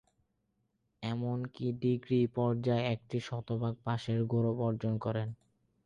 এমন কি ডিগ্রি পর্যায়ে এটি শতভাগ পাশের গৌরব অর্জন করে।